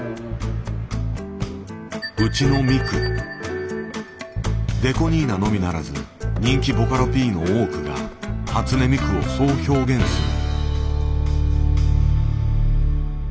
ＤＥＣＯ２７のみならず人気ボカロＰの多くが初音ミクをそう表現する。